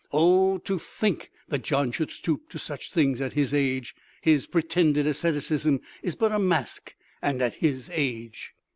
Oh, to think that Gian should stoop to such things at his age—his pretended asceticism is but a mask—and at his age!"